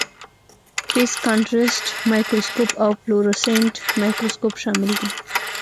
فیز کانټرسټ مایکروسکوپ او فلورسینټ مایکروسکوپ شامل دي.